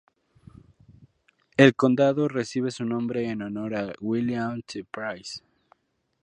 El condado recibe su nombre en honor a William T. Price.